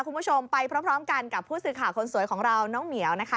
คุณผู้ชมไปพร้อมกันกับผู้สื่อข่าวคนสวยของเราน้องเหมียวนะคะ